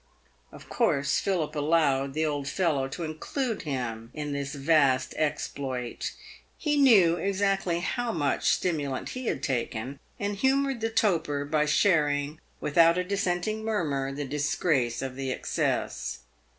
Of course, Philip allowed the old fellow to include him in this vast exploit. He knew exactly how much stimu lant he had taken, and humoured the toper by sharing, without a dissenting murmur, the disgrace of the excess.